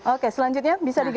oke selanjutnya bisa digeser